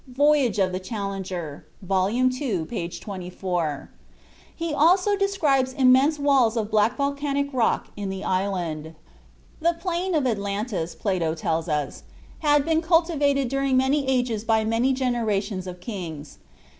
("Voyage of the Challenger," vol. ii., p. 24). He also describes immense walls of black volcanic rock in the island. The plain of Atlantis, Plato tells us, "had been cultivated during many ages by many generations of kings."